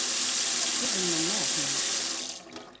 Tu viņu man neatņemsi!